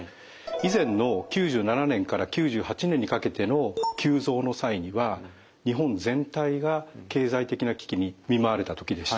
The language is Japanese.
以前の９７年から９８年にかけての急増の際には日本全体が経済的な危機に見舞われた時でした。